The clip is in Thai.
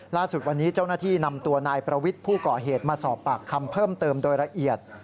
ล่าสุดวันนี้เจ้าหน้าที่นำตัวนายประวิทย์ผู้ก่อเหตุมาสอบปากคำเพิ่มเติมโดยละเอียด